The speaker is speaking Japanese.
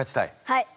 はい。